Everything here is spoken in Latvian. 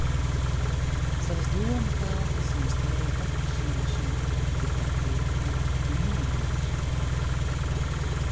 Savas domu telpas un spēju paplašināšana ir patīkama un mierinoša.